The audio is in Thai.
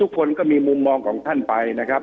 ก็มีมุมมองของท่านไปนะครับ